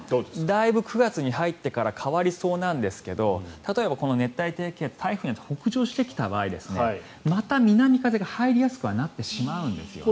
だいぶ９月に入ってから変わりそうなんですが例えば熱帯低気圧台風になって北上してきた場合また南風が入りやすくなってしまうんですね。